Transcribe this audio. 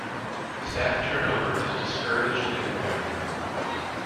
Staff turnover is discouraged and rare.